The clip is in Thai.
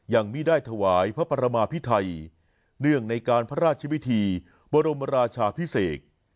ยังไม่ได้ถวายพระประมาพิไทยเนื่องในการพระราชวิธีบรมราชาพิเศษ